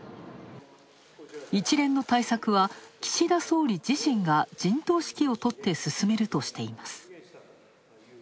一連の対策は岸田総理自身が陣頭指揮を執って進めるとしています。